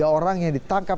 tiga orang yang ditangkap